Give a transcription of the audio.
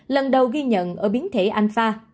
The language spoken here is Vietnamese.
lần đầu ghi nhận ở biến thể alpha